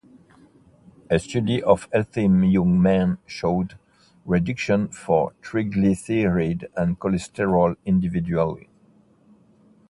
A study of healthy young men showed reduction for triglycerides and cholesterol individually.